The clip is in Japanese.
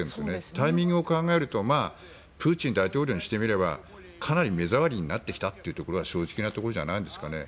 タイミングを考えるとプーチン大統領にしてみればかなり目障りになってきたというところが正直なところじゃないんですかね。